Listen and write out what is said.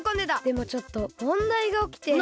でもちょっともんだいがおきて。